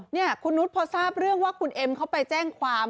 นี่คุณนุษย์พอทราบเรื่องว่าคุณเอ็มเขาไปแจ้งความ